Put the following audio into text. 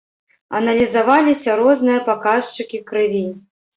Аналізаваліся розныя паказчыкі крыві.